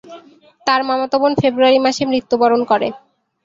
তার মামাতো বোন ফেব্রুয়ারি মাসে মৃত্যুবরণ করে।